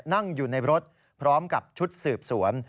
นั่งอยู่ในรถพร้อมกับชุดสืบสวน